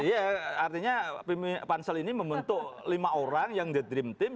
iya artinya pansel ini membentuk lima orang yang the dream team